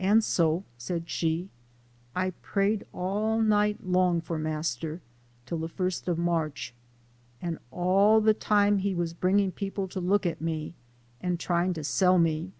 "An' so," said she, " I prayed all night long for master, till the first of March ; an' all the time he was bringing people to look at me, an' trying to sell me.